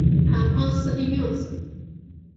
韩匡嗣第六子。